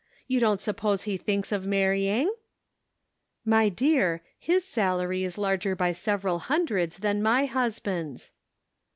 You don't suppose he thinks of marrying ?" "My dear, his salary is larger by several hundreds than my husband's."